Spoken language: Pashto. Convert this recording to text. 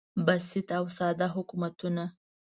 بسیط او ساده حکومتونه